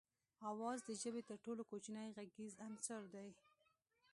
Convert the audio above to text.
آواز د ژبې تر ټولو کوچنی غږیز عنصر دی